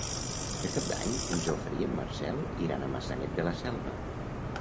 Per Cap d'Any en Jofre i en Marcel iran a Maçanet de la Selva.